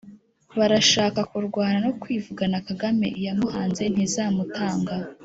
Barashaka kurwana No kwivugana Kagame, iyamuhanze ntizamutanga.